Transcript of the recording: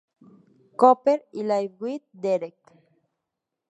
Cooper" y "Life with Derek".